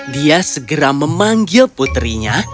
dia segera memanggil putrinya